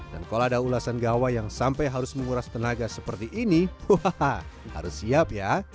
dan kalau ada ulasan gawai yang sampai harus menguras tenaga seperti ini harus siap ya